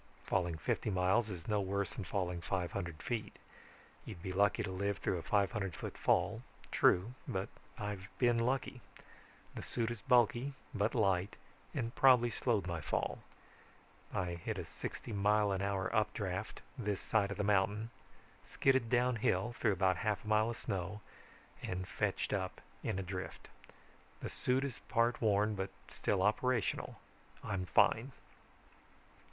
Falling fifty miles is no worse than falling five hundred feet. You'd be lucky to live through a five hundred foot fall, true, but I've been lucky. The suit is bulky but light and probably slowed my fall. I hit a sixty mile an hour updraft this side of the mountain, skidded downhill through about half a mile of snow and fetched up in a drift. The suit is part worn but still operational. I'm fine.